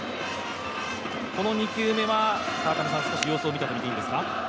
この２球目は少し様子を見たとみていいんですか？